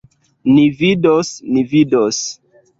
Ni vidos, ni vidos!